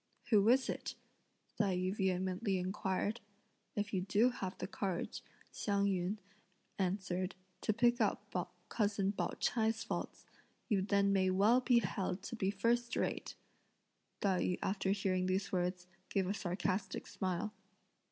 "Who is it?" Tai yü vehemently inquired. "If you do have the courage," Hsiang yün answered, "to pick out cousin Pao ch'ai's faults, you then may well be held to be first rate!" Tai yü after hearing these words, gave a sarcastic smile.